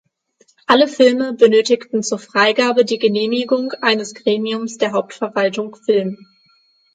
Alle Filme benötigten zur Freigabe die Genehmigung eines Gremiums der Hauptverwaltung Film.